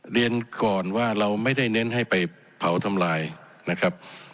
เรียนก่อนว่าเราไม่ได้เน้นให้ไปเผาทำลายนะครับ